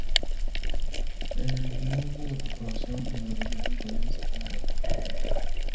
El modo de preparación y las recetas varian según la región.